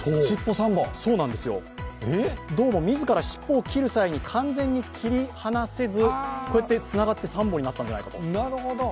どうも自ら尻尾を切る際に完全に切り離せずこうやってつながって３本になったんじゃないかと。